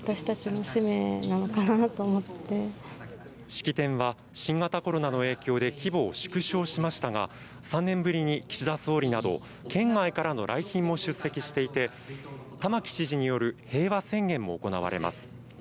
式典は新型コロナの影響で規模を縮小しましたが３年ぶりに岸田総理など県外からの来賓も出席していて玉城知事による平和宣言も行われます。